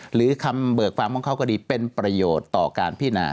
หรือคำเบิกความของเขาก็ดีเป็นประโยชน์ต่อการพินา